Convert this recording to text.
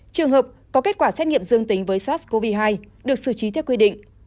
trường hợp có kết quả xét nghiệm dương tính với sars cov hai được xử trí theo quy định